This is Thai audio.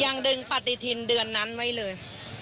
ยังดึงปฏิทินเดือนนั้นไว้เลย